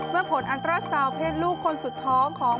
เมื่อผลอันตรศาลเพศลูกคนสุดท้องของ